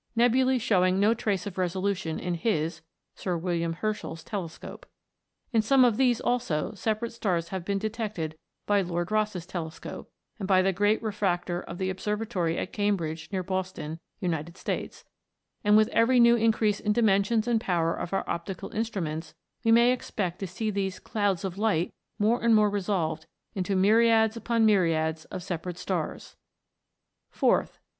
Nebulas showing no trace of resolution in his (Sir William Herschel' s) telescope. In some of these, also, separate stars have been detected by Lord Rosse's telescope, and by the great refractor of the observatory at Cambridge, near Boston, United States ; and with every new increase in the dimensions and power of our optical instruments, we may expect to see these " clouds of light" more and more resolved into myriads upon myriads of separate stars ; 4th.